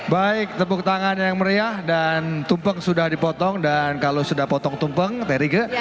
baik tepuk tangan yang meriah dan tumpeng sudah dipotong dan kalau sudah potong tumpeng terige